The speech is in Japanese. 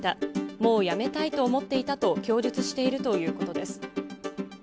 もうやめたいと思っていたと供述しているということです。